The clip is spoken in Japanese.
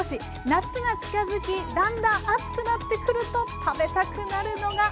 夏が近づきだんだん暑くなってくると食べたくなるのが「アジアごはん」ですよね？